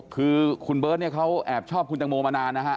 คือคุณเบิร์ตเนี่ยเขาแอบชอบคุณตังโมมานานนะฮะ